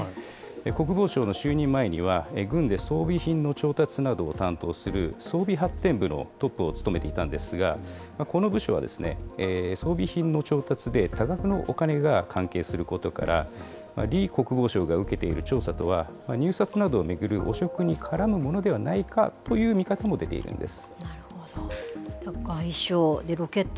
国防相の就任前には、軍で装備品の調達などを担当する装備発展部のトップを務めていたんですが、この部署は、装備品の調達で多額のお金が関係することから、李国防相が受けている調査とは入札などを巡る汚職に絡むものではないかという見方も出ているんです。